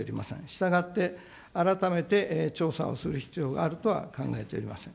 したがって、改めて調査をする必要があるとは考えておりません。